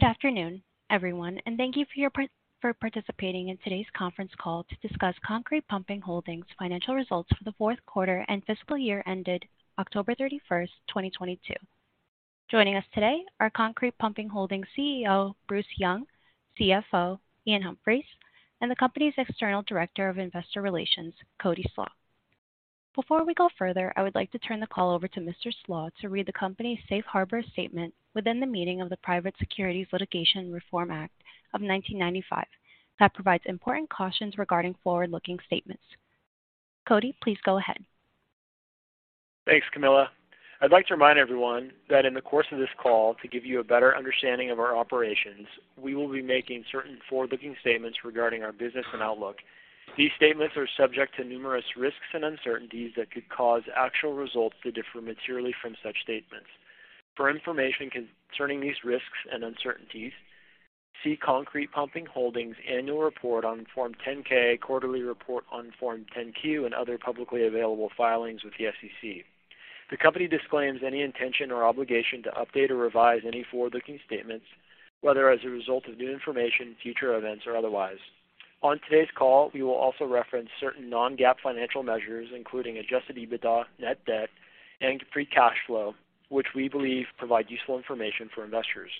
Good afternoon, everyone, and thank you for participating in today's conference call to discuss Concrete Pumping Holdings' financial results for the fourth quarter and fiscal year ended October 31, 2022. Joining us today are Concrete Pumping Holdings CEO, Bruce Young, CFO, Iain Humphries, and the company's External Director of Investor Relations, Cody Slach. Before we go further, I would like to turn the call over to Mr. Slach to read the company's Safe Harbor statement within the meaning of the Private Securities Litigation Reform Act of 1995, that provides important cautions regarding forward-looking statements. Cody, please go ahead. Thanks, Camilla. I'd like to remind everyone that in the course of this call, to give you a better understanding of our operations, we will be making certain forward-looking statements regarding our business and outlook. These statements are subject to numerous risks and uncertainties that could cause actual results to differ materially from such statements. For information concerning these risks and uncertainties, see Concrete Pumping Holdings' annual report on Form 10-K, quarterly report on Form 10-Q, and other publicly available filings with the SEC. The company disclaims any intention or obligation to update or revise any forward-looking statements, whether as a result of new information, future events, or otherwise. On today's call, we will also reference certain non-GAAP financial measures, including Adjusted EBITDA, Net debt, and Free cash flow, which we believe provide useful information for investors.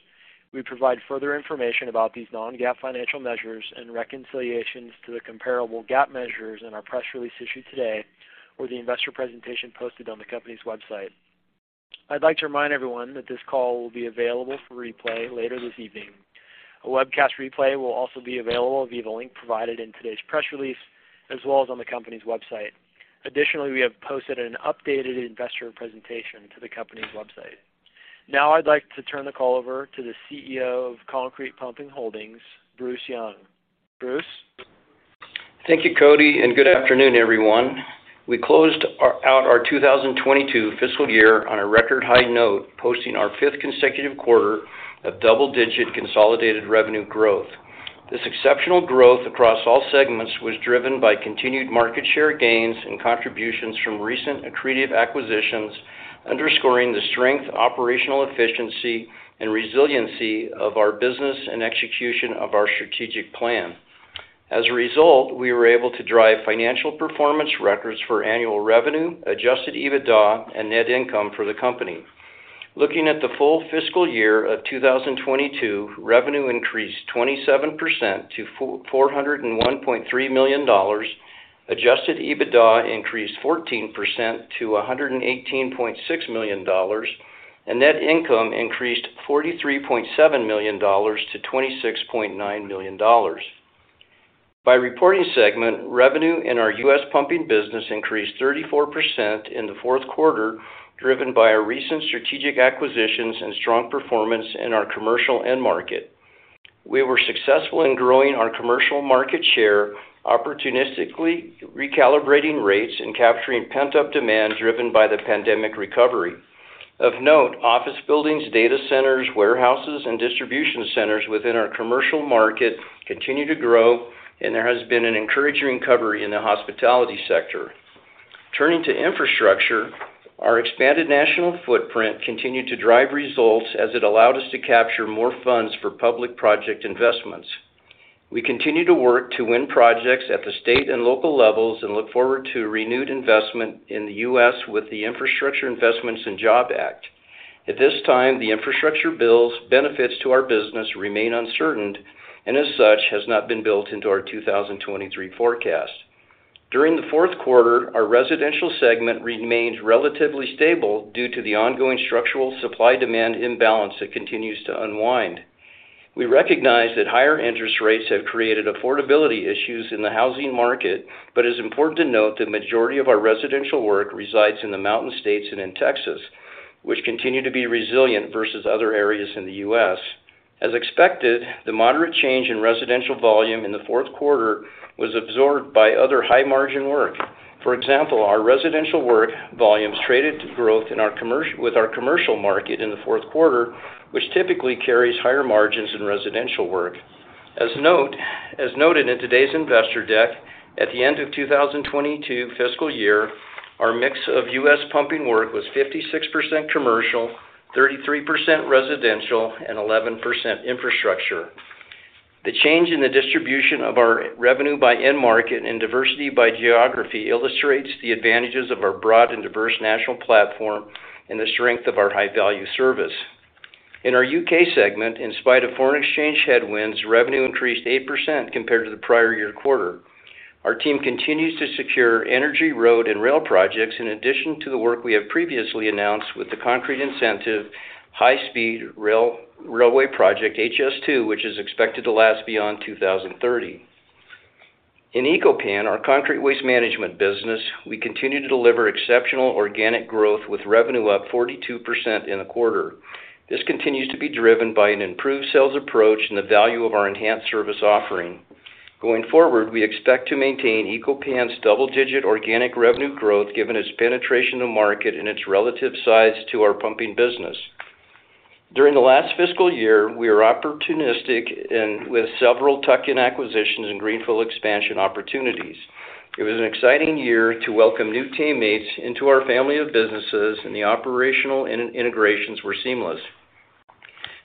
We provide further information about these non-GAAP financial measures and reconciliations to the comparable GAAP measures in our press release issued today or the investor presentation posted on the company's website. I'd like to remind everyone that this call will be available for replay later this evening. A webcast replay will also be available via the link provided in today's press release, as well as on the company's website. Additionally, we have posted an updated investor presentation to the company's website. Now I'd like to turn the call over to the CEO of Concrete Pumping Holdings, Bruce Young. Bruce? Thank you, Cody. Good afternoon, everyone. We closed out our 2022 fiscal year on a record high note, posting our fifth consecutive quarter of double-digit consolidated revenue growth. This exceptional growth across all segments was driven by continued market share gains and contributions from recent accretive acquisitions, underscoring the strength, operational efficiency, and resiliency of our business and execution of our strategic plan. As a result, we were able to drive financial performance records for annual revenue, adjusted EBITDA, and net income for the company. Looking at the full fiscal year of 2022, revenue increased 27% to $401.3 million. Adjusted EBITDA increased 14% to $118.6 million, and net income increased $43.7 million to $26.9 million. By reporting segment, revenue in our U.S. pumping business increased 34% in the fourth quarter, driven by our recent strategic acquisitions and strong performance in our commercial end market. We were successful in growing our commercial market share, opportunistically recalibrating rates and capturing pent-up demand driven by the pandemic recovery. Of note, office buildings, data centers, warehouses, and distribution centers within our commercial market continue to grow, and there has been an encouraging recovery in the hospitality sector. Turning to infrastructure, our expanded national footprint continued to drive results as it allowed us to capture more funds for public project investments. We continue to work to win projects at the state and local levels and look forward to renewed investment in the U.S. with the Infrastructure Investment and Jobs Act. At this time, the infrastructure bill's benefits to our business remain uncertain and as such, has not been built into our 2023 forecast. During the fourth quarter, our residential segment remained relatively stable due to the ongoing structural supply-demand imbalance that continues to unwind. We recognize that higher interest rates have created affordability issues in the housing market, but it's important to note that the majority of our residential work resides in the mountain states and in Texas, which continue to be resilient versus other areas in the U.S. As expected, the moderate change in residential volume in the fourth quarter was absorbed by other high-margin work. For example, our residential work volumes traded to growth with our commercial market in the fourth quarter, which typically carries higher margins than residential work. As noted in today's investor deck, at the end of 2022 fiscal year, our mix of U.S. pumping work was 56% commercial, 33% residential, and 11% infrastructure. The change in the distribution of our revenue by end market and diversity by geography illustrates the advantages of our broad and diverse national platform and the strength of our high-value service. In our U.K. segment, in spite of foreign exchange headwinds, revenue increased 8% compared to the prior year quarter. Our team continues to secure energy, road, and rail projects in addition to the work we have previously announced with the concrete incentive high-speed railway project HS2, which is expected to last beyond 2030. In Eco-Pan, our concrete waste management business, we continue to deliver exceptional organic growth with revenue up 42% in the quarter. This continues to be driven by an improved sales approach and the value of our enhanced service offering. Going forward, we expect to maintain Eco-Pan's double-digit organic revenue growth, given its penetration to market and its relative size to our pumping business. During the last fiscal year, we were opportunistic with several tuck-in acquisitions and greenfield expansion opportunities. It was an exciting year to welcome new teammates into our family of businesses, and the operational and integrations were seamless.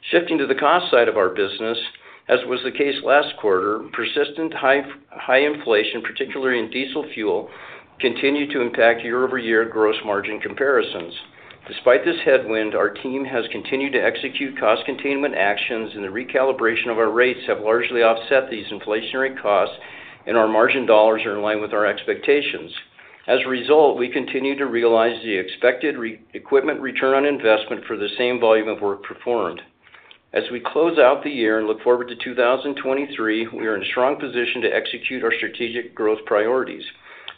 Shifting to the cost side of our business, as was the case last quarter, persistent high inflation, particularly in diesel fuel, continued to impact year-over-year gross margin comparisons. Despite this headwind, our team has continued to execute cost containment actions, and the recalibration of our rates have largely offset these inflationary costs, and our margin dollars are in line with our expectations. As a result, we continue to realize the expected re-equipment return on investment for the same volume of work performed. As we close out the year and look forward to 2023, we are in a strong position to execute our strategic growth priorities.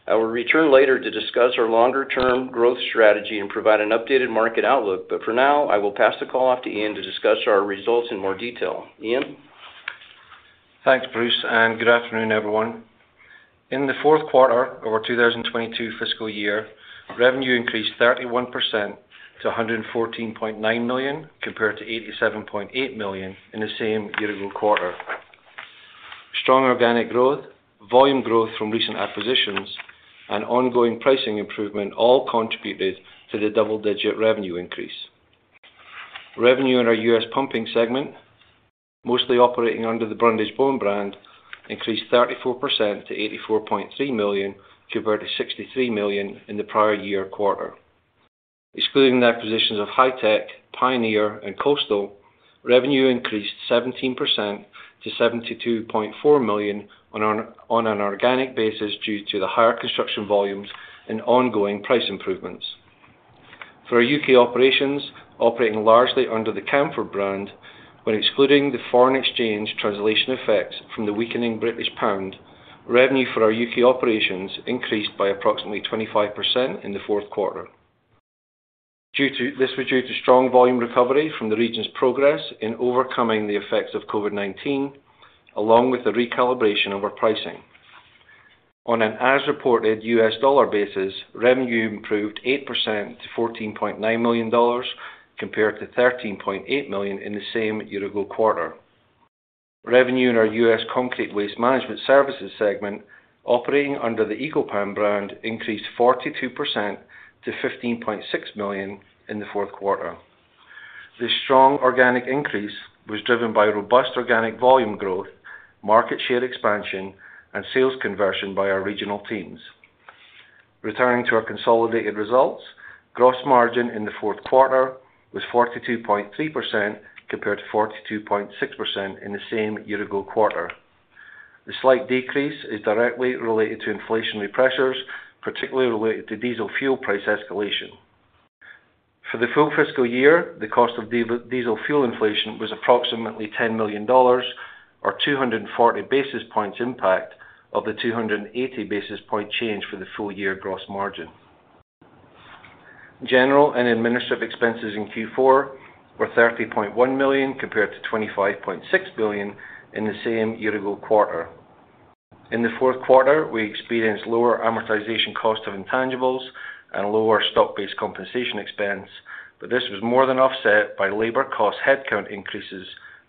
I will return later to discuss our longer-term growth strategy and provide an updated market outlook. For now, I will pass the call off to Iain to discuss our results in more detail. Iain? Thanks, Bruce. Good afternoon, everyone. In the fourth quarter of our 2022 fiscal year, revenue increased 31% to $114.9 million, compared to $87.8 million in the same year-ago quarter. Strong organic growth, volume growth from recent acquisitions, and ongoing pricing improvement all contributed to the double-digit revenue increase. Revenue in our U.S. pumping segment, mostly operating under the Brundage-Bone brand, increased 34% to $84.3 million, compared to $63 million in the prior year quarter. Excluding the acquisitions of Hi-Tech, Pioneer, and Coastal, revenue increased 17% to $72.4 million on an organic basis due to the higher construction volumes and ongoing price improvements. For our U.K. operations, operating largely under the Camfaud brand, when excluding the foreign exchange translation effects from the weakening British pound, revenue for our U.K. Operations increased by approximately 25% in the fourth quarter. This was due to strong volume recovery from the region's progress in overcoming the effects of COVID-19, along with the recalibration of our pricing. On an as-reported U.S. dollar basis, revenue improved 8% to $14.9 million, compared to $13.8 million in the same year-ago quarter. Revenue in our U.S. Concrete Waste Management services segment, operating under the Eco-Pan brand, increased 42% to $15.6 million in the fourth quarter. This strong organic increase was driven by robust organic volume growth, market share expansion, and sales conversion by our regional teams. Returning to our consolidated results, gross margin in the fourth quarter was 42.3%, compared to 42.6% in the same year-ago quarter. The slight decrease is directly related to inflationary pressures, particularly related to diesel fuel price escalation. For the full fiscal year, the cost of diesel fuel inflation was approximately $10 million or 240 basis point impact of the 280 basis point change for the full-year gross margin. General and administrative expenses in Q4 were $30.1 million compared to $25.6 million in the same year-ago quarter. In the fourth quarter, we experienced lower amortization cost of intangibles and lower stock-based compensation expense, but this was more than offset by labor cost headcount increases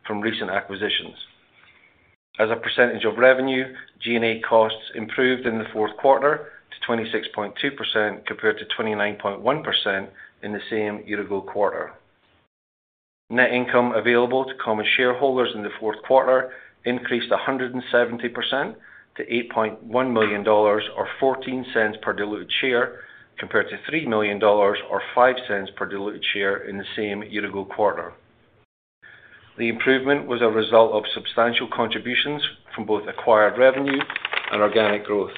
from recent acquisitions. As a percentage of revenue, G&A costs improved in the fourth quarter to 26.2% compared to 29.1% in the same year-ago quarter. Net income available to common shareholders in the fourth quarter increased 170% to $8.1 million or $0.14 per diluted share, compared to $3 million or $0.05 per diluted share in the same year-ago quarter. The improvement was a result of substantial contributions from both acquired revenue and organic growth.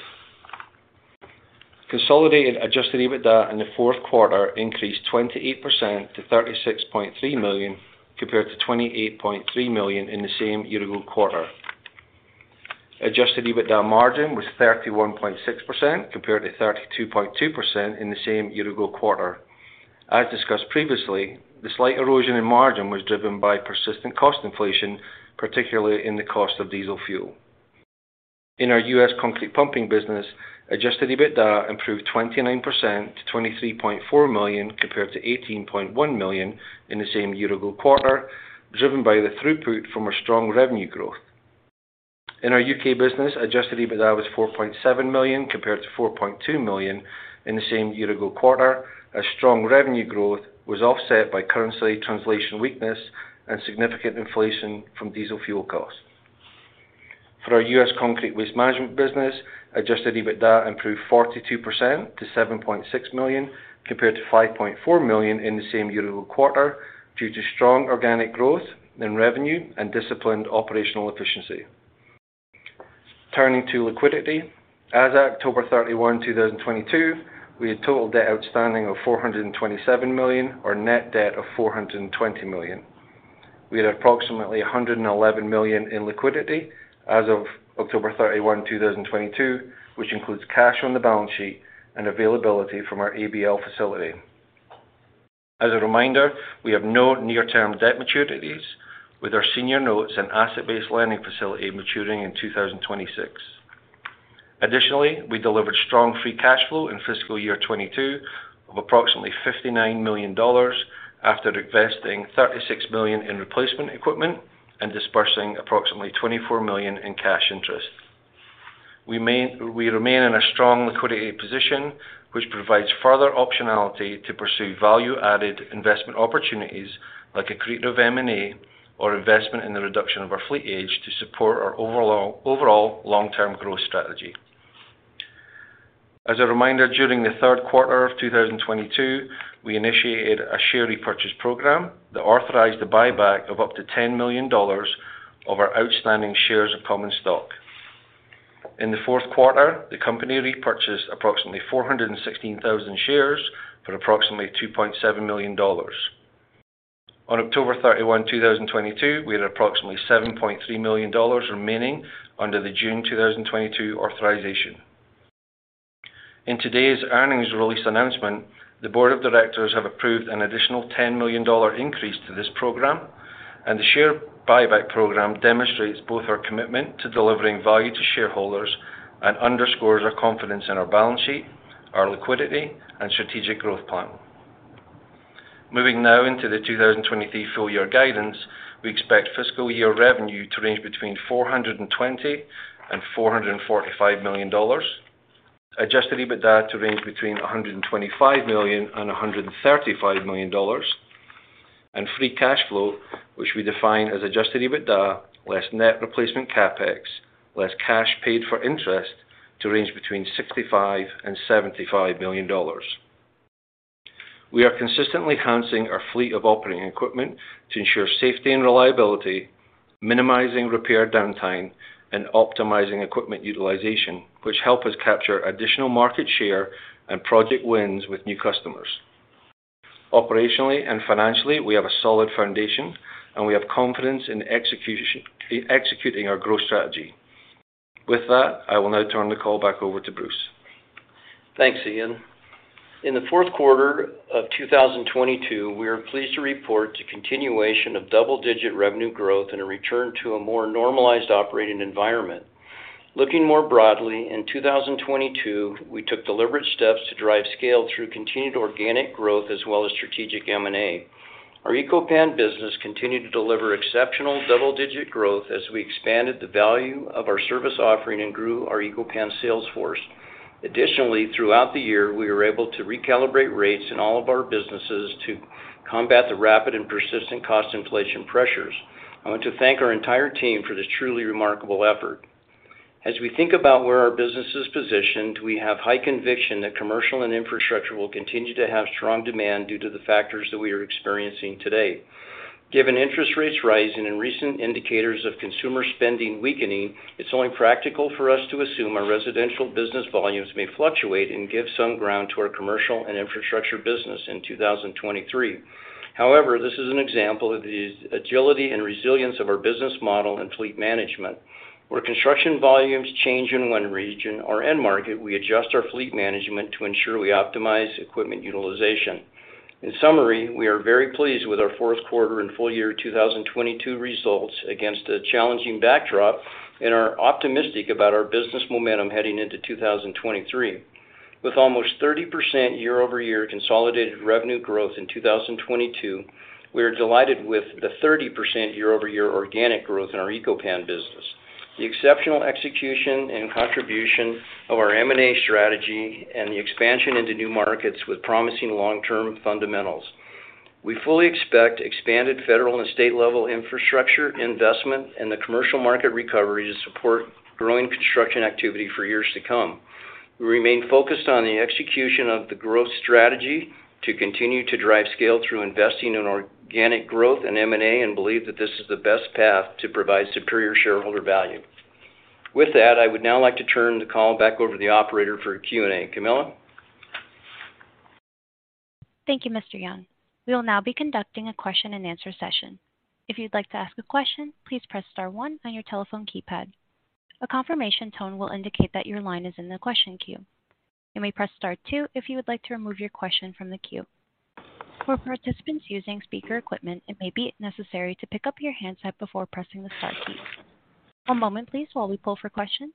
Consolidated adjusted EBITDA in the fourth quarter increased 28% to $36.3 million, compared to $28.3 million in the same year-ago quarter. Adjusted EBITDA margin was 31.6% compared to 32.2% in the same year-ago quarter. As discussed previously, the slight erosion in margin was driven by persistent cost inflation, particularly in the cost of diesel fuel. In our U.S. concrete pumping business, adjusted EBITDA improved 29% to $23.4 million, compared to $18.1 million in the same year-ago quarter, driven by the throughput from our strong revenue growth. In our U.K. business, adjusted EBITDA was $4.7 million compared to $4.2 million in the same year-ago quarter as strong revenue growth was offset by currency translation weakness and significant inflation from diesel fuel costs. For our U.S. Concrete Waste Management business, adjusted EBITDA improved 42% to $7.6 million compared to $5.4 million in the same year-ago quarter due to strong organic growth in revenue and disciplined operational efficiency. Turning to liquidity. As at October 31, 2022, we had total debt outstanding of $427 million, or net debt of $420 million. We had approximately $111 million in liquidity as of October 31, 2022, which includes cash on the balance sheet and availability from our ABL facility. As a reminder, we have no near-term debt maturities with our senior notes and asset-based lending facility maturing in 2026. Additionally, we delivered strong free cash flow in fiscal year 2022 of approximately $59 million. After investing $36 million in replacement equipment and dispersing approximately $24 million in cash interest. We remain in a strong liquidity position, which provides further optionality to pursue value-added investment opportunities like accretive M&A or investment in the reduction of our fleet age to support our overall long-term growth strategy. As a reminder, during the third quarter of 2022, we initiated a share repurchase program that authorized the buyback of up to $10 million of our outstanding shares of common stock. In the fourth quarter, the company repurchased approximately 416,000 shares for approximately $2.7 million. On October 31, 2022, we had approximately $7.3 million remaining under the June 2022 authorization. In today's earnings release announcement, the board of directors have approved an additional $10 million increase to this program. The share buyback program demonstrates both our commitment to delivering value to shareholders and underscores our confidence in our balance sheet, our liquidity, and strategic growth plan. Moving now into the 2023 full-year guidance, we expect fiscal year revenue to range between $420 million and $445 million. Adjusted EBITDA to range between $125 million and $135 million. Free cash flow, which we define as adjusted EBITDA less net replacement CapEx, less cash paid for interest to range between $65 million and $75 million. We are consistently enhancing our fleet of operating equipment to ensure safety and reliability, minimizing repair downtime, and optimizing equipment utilization, which helps us capture additional market share and project wins with new customers. Operationally and financially, we have a solid foundation, and we have confidence in executing our growth strategy. With that, I will now turn the call back over to Bruce. Thanks, Iain. In the fourth quarter of 2022, we are pleased to report the continuation of double-digit revenue growth and a return to a more normalized operating environment. Looking more broadly, in 2022, we took deliberate steps to drive scale through continued organic growth as well as strategic M&A. Our Eco-Pan business continued to deliver exceptional double-digit growth as we expanded the value of our service offering and grew our Eco-Pan sales force. Additionally, throughout the year, we were able to recalibrate rates in all of our businesses to combat the rapid and persistent cost inflation pressures. I want to thank our entire team for this truly remarkable effort. As we think about where our business is positioned, we have high conviction that commercial and infrastructure will continue to have strong demand due to the factors that we are experiencing today. Given interest rates rising, and recent indicators of consumer spending weakening, it's only practical for us to assume our residential business volumes may fluctuate and give some ground to our commercial and infrastructure business in 2023. However, this is an example of the agility and resilience of our business model and fleet management. Where construction volumes change in one region or end market, we adjust our fleet management to ensure we optimize equipment utilization. In summary, we are very pleased with our fourth quarter and full-year 2022 results against a challenging backdrop and are optimistic about our business momentum heading into 2023. With almost 30% year-over-year consolidated revenue growth in 2022, we are delighted with the 30% year-over-year organic growth in our Eco-Pan business, the exceptional execution and contribution of our M&A strategy, and the expansion into new markets with promising long-term fundamentals. We fully expect expanded federal and state-level infrastructure investment and the commercial market recovery to support growing construction activity for years to come. We remain focused on the execution of the growth strategy to continue to drive scale through investing in organic growth and M&A, and believe that this is the best path to provide superior shareholder value. With that, I would now like to turn the call back over to the operator for a Q&A. Camilla? Thank you, Mr. Young. We will now be conducting a question-and-answer session. If you'd like to ask a question, please press star one on your telephone keypad. A confirmation tone will indicate that your line is in the question queue. You may press star two if you would like to remove your question from the queue. For participants using speaker equipment, it may be necessary to pick up your handset before pressing the star key. One moment please while we pull for questions.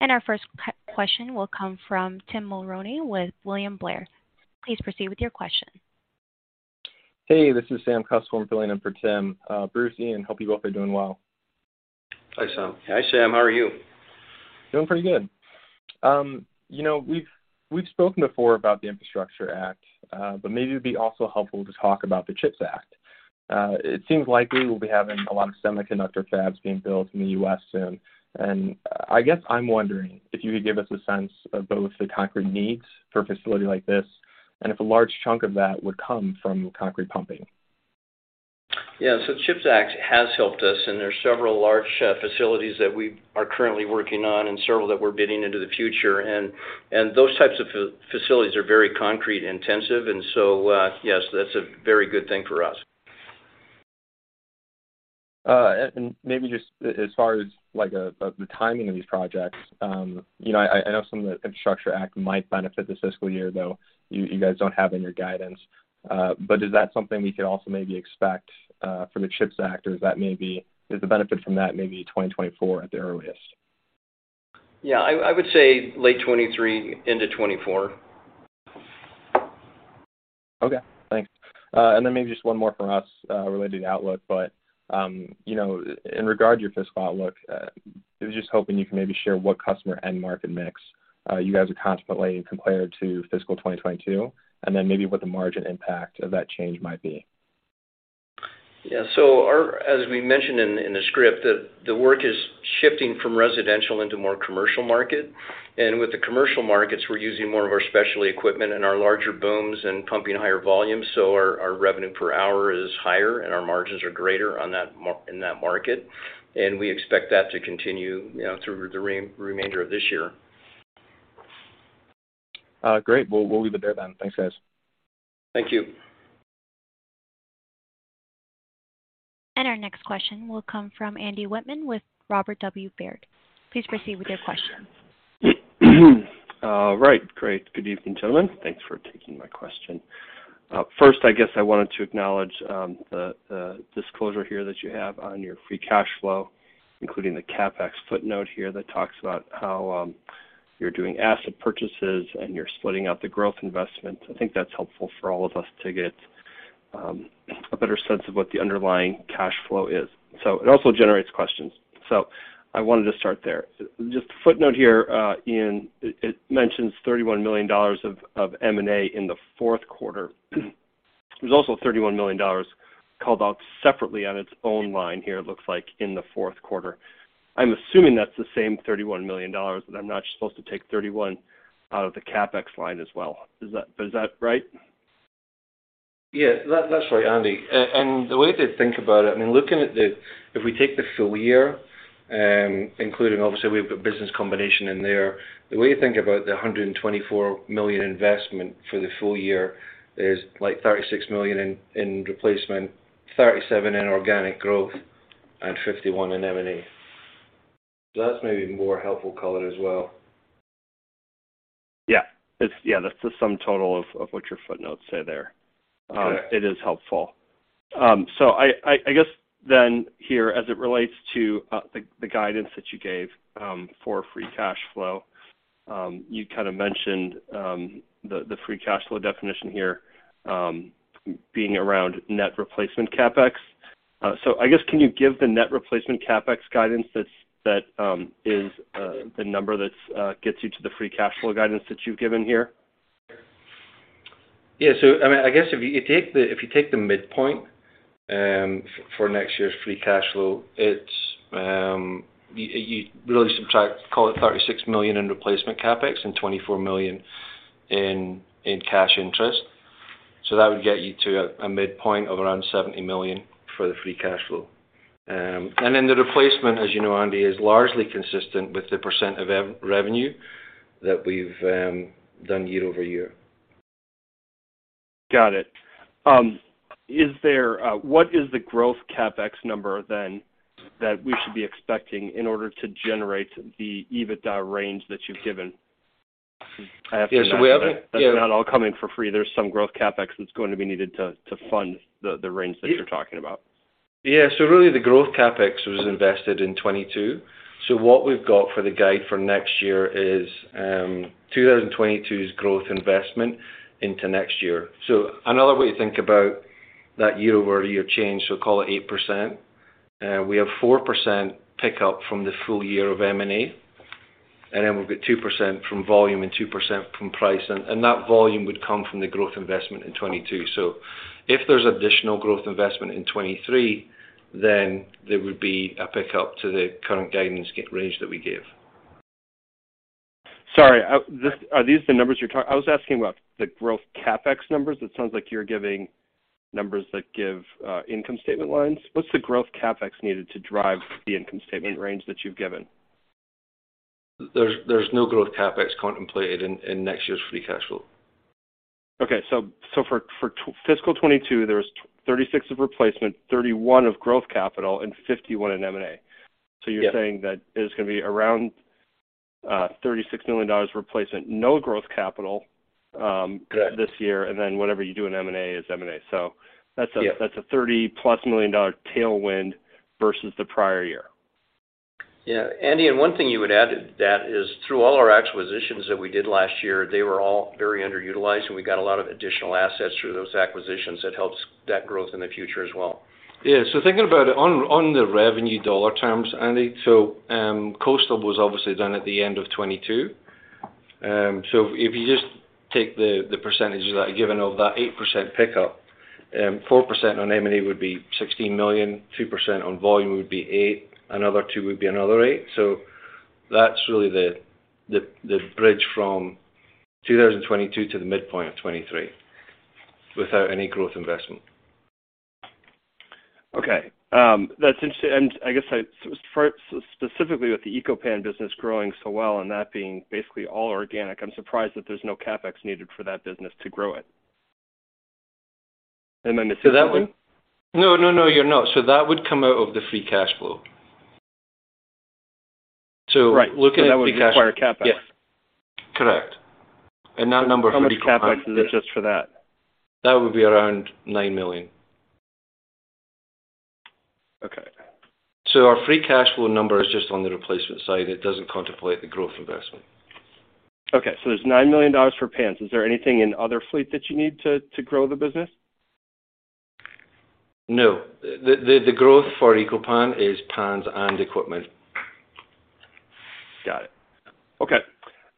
Our first question will come from Tim Mulrooney with William Blair. Please proceed with your question. Hey, this is Sam Kussin filling in for Tim. Bruce, Iain, hope you both are doing well. Hi, Sam. Hi, Sam. How are you? Doing pretty good. you know, we've spoken before about the Infrastructure Act. Maybe it'd be also helpful to talk about the CHIPS Act. It seems likely we'll be having a lot of semiconductor fabs being built in the U.S. soon, and I guess I'm wondering if you could give us a sense of both the concrete needs for a facility like this and if a large chunk of that would come from concrete pumping? Yeah. CHIPS Act has helped us, and there are several large facilities that we are currently working on and several that we're bidding into the future. Those types of facilities are very concrete intensive, yes, that's a very good thing for us. Maybe just as far as like, you know, I know some of the Infrastructure Act might benefit this fiscal year, though you guys don't have in your guidance. Is that something we could also maybe expect from the CHIPS Act? Or is that maybe... Is the benefit from that maybe 2024 at the earliest? Yeah. I would say late 2023 into 2024. Okay. Thanks. Then maybe just one more from us, related to outlook. You know, in regard to your fiscal outlook, I was just hoping you could maybe share what customer end market mix, you guys are contemplating compared to fiscal 2022, and then maybe what the margin impact of that change might be. As we mentioned in the script, the work is shifting from residential into more commercial market. With the commercial markets, we're using more of our specialty equipment and our larger booms and pumping higher volumes. Our revenue per hour is higher, and our margins are greater in that market. We expect that to continue, you know, through the remainder of this year. Great. We'll leave it there then. Thanks, guys. Thank you. Our next question will come from Andy Wittmann with Robert W. Baird. Please proceed with your question. All right. Great. Good evening, gentlemen. Thanks for taking my question. First, I guess I wanted to acknowledge, the disclosure here that you have on your free cash flow, including the CapEx footnote here that talks about how, you're doing asset purchases and you're splitting out the growth investment. I think that's helpful for all of us to get a better sense of what the underlying cash flow is. It also generates questions. I wanted to start there. Just a footnote here, Iain, it mentions $31 million of M&A in the fourth quarter. There's also $31 million called out separately on its own line here, it looks like, in the fourth quarter. I'm assuming that's the same $31 million, and I'm not supposed to take 31 out of the CapEx line as well. Is that right? Yeah. That, that's right, Andy. And the way to think about it, I mean, if we take the full-year, including obviously we've got business combination in there, the way you think about the $124 million investment for the full-year is like $36 million in replacement, $37 million in organic growth, and $51 million in M&A. That's maybe more helpful color as well. Yeah. Yeah, that's the sum total of what your footnotes say there. Correct. It is helpful. I, I guess then here, as it relates to the guidance that you gave for free cash flow, you kind of mentioned the free cash flow definition here being around net replacement CapEx. I guess, can you give the net replacement CapEx guidance that is the number that gets you to the free cash flow guidance that you've given here? I mean, I guess if you take the midpoint, for next year's free cash flow, it's you really subtract, call it $36 million in replacement CapEx and $24 million in cash interest. That would get you to a midpoint of around $70 million for the free cash flow. The replacement, as you know, Andy, is largely consistent with the percent of revenue that we've done year-over-year. Got it. What is the growth CapEx number then that we should be expecting in order to generate the EBITDA range that you've given? I have to imagine. Yeah. That's not all coming for free. There's some growth CapEx that's going to be needed to fund the range that you're talking about. Yeah. Really the growth CapEx was invested in 2022. What we've got for the guide for next year is 2022's growth investment into next year. Another way to think about that year-over-year change, call it 8%, we have 4% pickup from the full-year of M&A, and then we've got 2% from volume and 2% from price. That volume would come from the growth investment in 2022. If there's additional growth investment in 2023, then there would be a pickup to the current guidance range that we gave. Sorry, are these the numbers I was asking about the growth CapEx numbers? It sounds like you're giving numbers that give, income statement lines. What's the growth CapEx needed to drive the income statement range that you've given? There's no growth CapEx contemplated in next year's free cash flow. Okay, for fiscal 2022, there was $36 million of replacement, $31 million of growth capital, and $51 million in M&A. Yeah. You're saying that it is gonna be around, $36 million replacement, no growth capital? Correct... this year, and then whatever you do in M&A is M&A. That's. Yeah. That's a $30+ million tailwind versus the prior year. Yeah. Andy, one thing you would add to that is through all our acquisitions that we did last year, they were all very underutilized, and we got a lot of additional assets through those acquisitions that helps debt growth in the future as well. Yeah. Thinking about it on the revenue dollar terms, Andy, Coastal was obviously done at the end of 2022. If you just take the percentage of that, given of that 8% pickup, 4% on M&A would be $16 million, 2% on volume would be $8 million. Another 2% would be another $8 million. That's really the, the bridge from 2022 to the midpoint of 2023 without any growth investment. Okay. That's interesting. Specifically with the Eco-Pan business growing so well and that being basically all organic, I'm surprised that there's no CapEx needed for that business to grow it. Am I missing something? No, you're not. That would come out of the free cash flow. looking at the cash-. Right. That would require CapEx. Yes. Correct. that number would be- How much CapEx is it just for that? That would be around $9 million. Okay. Our free cash flow number is just on the replacement side. It doesn't contemplate the growth investment. Okay. There's $9 million for Eco-Pan. Is there anything in other fleet that you need to grow the business? No. The growth for Eco-Pan is pans and equipment. Got it. Okay.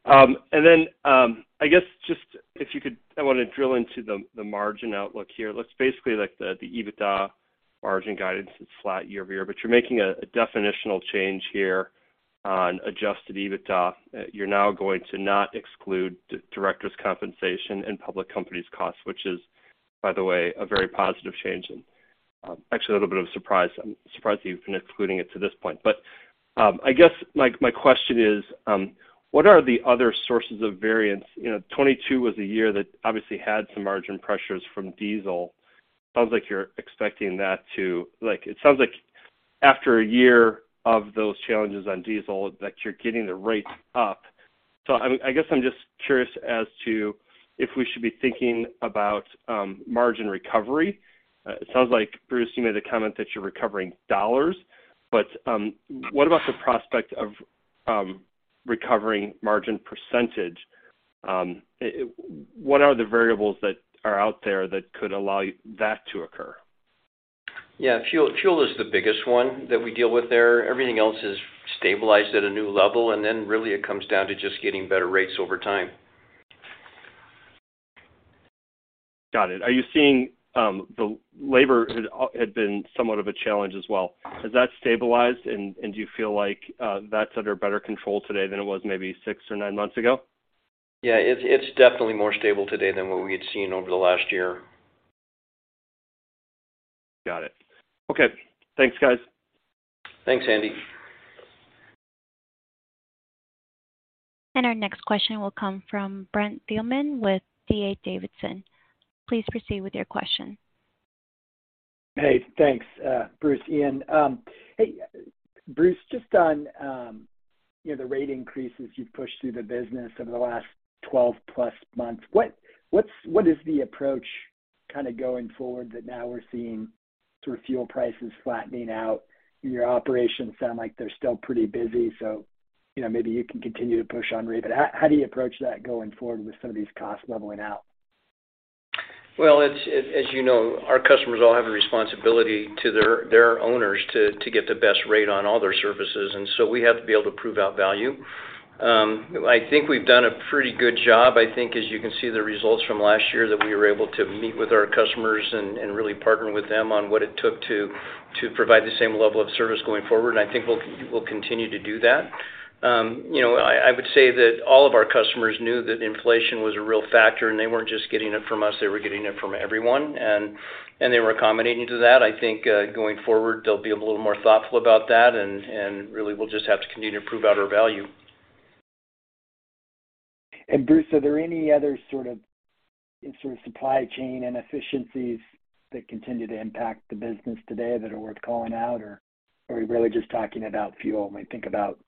I guess just if you could. I wanna drill into the margin outlook here. Looks basically like the EBITDA margin guidance is flat year-over-year, but you're making a definitional change here on adjusted EBITDA. You're now going to not exclude director's compensation and public companies costs, which is, by the way, a very positive change and actually a little bit of a surprise. I'm surprised that you've been including it to this point. I guess my question is, what are the other sources of variance? You know, 2022 was a year that obviously had some margin pressures from diesel. Sounds like you're expecting that to. Like, it sounds like after a year of those challenges on diesel that you're getting the rates up. I'm, I guess I'm just curious as to if we should be thinking about margin recovery. It sounds like, Bruce, you made a comment that you're recovering dollars, but what about the prospect of recovering margin percentage? What are the variables that are out there that could allow that to occur? Yeah. Fuel is the biggest one that we deal with there. Everything else has stabilized at a new level, really it comes down to just getting better rates over time. Got it. Are you seeing, the labor had been somewhat of a challenge as well. Has that stabilized, and do you feel like, that's under better control today than it was maybe six or nine months ago? It's definitely more stable today than what we had seen over the last year. Got it. Okay. Thanks, guys. Thanks, Andy. Our next question will come from Brent Thielman with DA Davidson. Please proceed with your question. Hey, thanks. Bruce, Iain. Hey, Bruce, just on, you know, the rate increases you've pushed through the business over the last 12+ months, what's, what is the approach kinda going forward that now we're seeing sort of fuel prices flattening out? Your operations sound like they're still pretty busy, so, you know, maybe you can continue to push on rate, but how do you approach that going forward with some of these costs leveling out? Well, as you know, our customers all have a responsibility to their owners to get the best rate on all their services, and so we have to be able to prove out value. I think we've done a pretty good job. I think as you can see the results from last year that we were able to meet with our customers and really partner with them on what it took to provide the same level of service going forward, and I think we'll continue to do that. You know, I would say that all of our customers knew that inflation was a real factor, and they weren't just getting it from us, they were getting it from everyone and they were accommodating to that. I think, going forward, they'll be a little more thoughtful about that and really we'll just have to continue to prove out our value. Bruce, are there any other sort of supply chain inefficiencies that continue to impact the business today that are worth calling out, or are we really just talking about fuel when we think about,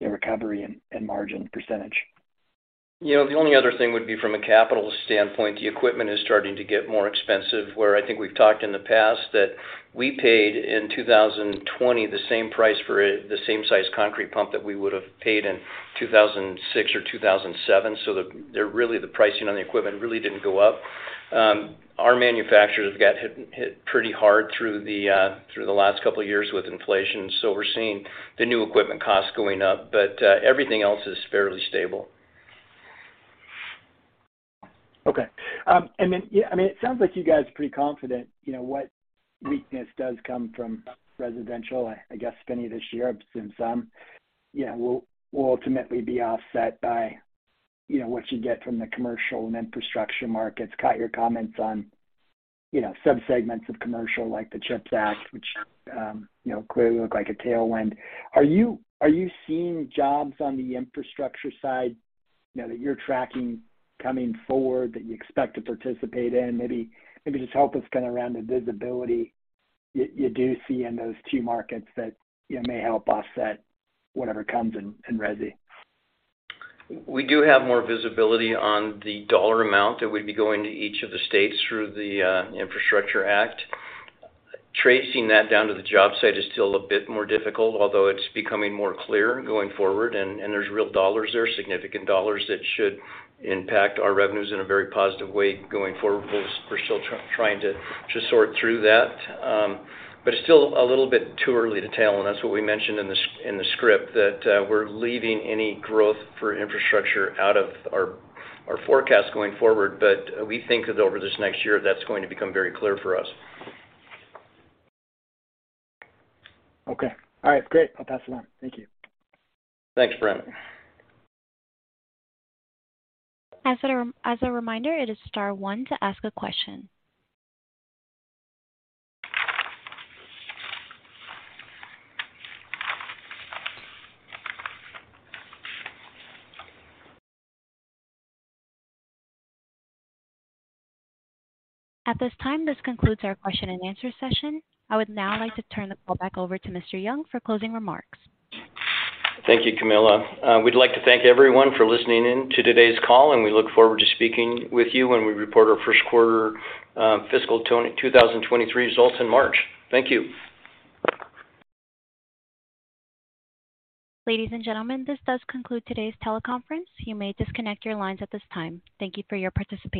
you know, recovery and margin percentage? You know, the only other thing would be from a capital standpoint. The equipment is starting to get more expensive, where I think we've talked in the past that we paid in 2020 the same price for a, the same size concrete pump that we would've paid in 2006 or 2007. They're really the pricing on the equipment really didn't go up. Our manufacturers got hit pretty hard through the last couple of years with inflation. We're seeing the new equipment costs going up, but everything else is fairly stable. Okay. Yeah, I mean, it sounds like you guys are pretty confident, you know, what weakness does come from residential, I guess, spending this year since some, you know, will ultimately be offset by, you know, what you get from the commercial and infrastructure markets. Got your comments on, you know, subsegments of commercial like the CHIPS Act, which, you know, clearly look like a tailwind. Are you seeing jobs on the infrastructure side, you know, that you're tracking coming forward that you expect to participate in? Maybe just help us kind of around the visibility you do see in those two markets that, you know, may help offset whatever comes in resi. We do have more visibility on the dollar amount that would be going to each of the states through the Infrastructure Act. Tracing that down to the job site is still a bit more difficult, although it's becoming more clear going forward, and there's real dollars there, significant dollars that should impact our revenues in a very positive way going forward. We're still trying to sort through that. It's still a little bit too early to tell, and that's what we mentioned in the script, that we're leaving any growth for infrastructure out of our forecast going forward. We think that over this next year, that's going to become very clear for us. Okay. All right. Great. I'll pass it on. Thank you. Thanks, Brent. As a reminder, it is star one to ask a question. At this time, this concludes our question and answer session. I would now like to turn the call back over to Mr. Young for closing remarks. Thank you, Camilla. We'd like to thank everyone for listening in to today's call, and we look forward to speaking with you when we report our first quarter, fiscal 2023 results in March. Thank you. Ladies and gentlemen, this does conclude today's teleconference. You may disconnect your lines at this time. Thank you for your participation.